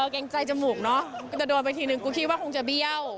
เกรงใจจมูกเนอะกูจะโดนไปทีนึงกูคิดว่าคงจะเบี้ยว